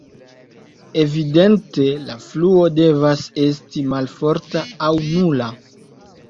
Evidente la fluo devas esti malforta aŭ nula.